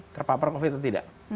terpapar covid atau tidak